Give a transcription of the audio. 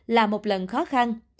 là một lần khó khăn